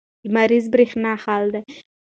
لمریزه برېښنا حل دی.